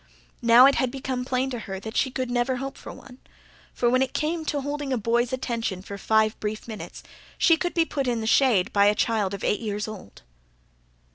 Now, it had become plain to her that she could never hope for one; for, when it came to holding a boy's attention for five brief minutes, she could be put in the shade by a child of eight years old.